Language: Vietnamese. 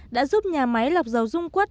đã giúp nhà máy lọc dầu dung quất